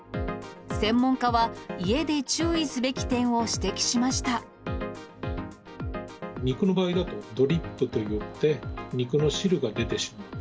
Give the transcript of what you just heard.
専門家は、家で注意すべき点を指肉の場合だと、ドリップといって、肉の汁が出てしまう。